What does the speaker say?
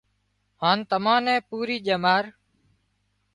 هانَ تمان نين پُوري ڄمار